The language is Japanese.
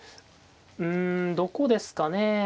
うんどこですかね。